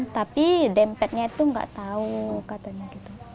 tapi dempetnya itu nggak tahu katanya gitu